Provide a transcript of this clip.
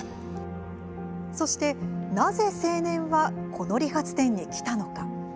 そして、なぜ青年はこの理髪店に来たのか？